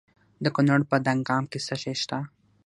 د کونړ په دانګام کې څه شی شته؟